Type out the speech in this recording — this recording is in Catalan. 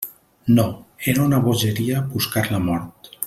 No; era una bogeria buscar la mort.